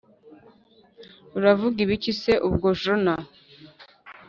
uravuga ibiki se ubwo jona!?